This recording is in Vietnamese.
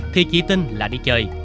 thì chị tin là đi chơi